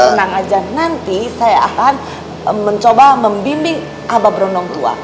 tenang aja nanti saya akan mencoba membimbing abah berondong tua